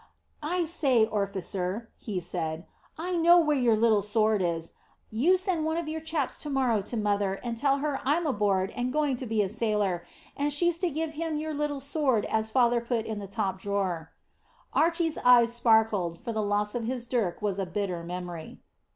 "I say, orficer," he said, "I know where your little sword is. You send one of your chaps to morrow to mother, and tell her I'm aboard and going to be a sailor, and she's to give him your little sword as father put in the top drawer." Archy's eyes sparkled, for the loss of his dirk was a bitter memory.